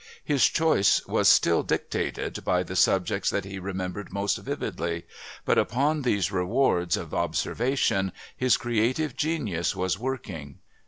His choice was still dictated by the subjects that he remembered most vividly, but upon these rewards of observation his creative genius was working.